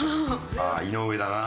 ああ井上だな。